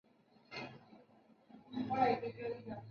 Cuando Sassoon tenía cuatro años, sus padres se separaron.